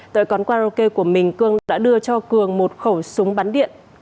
tại quán karaoke của mình cường đã đưa cho cường một khẩu súng bắn điện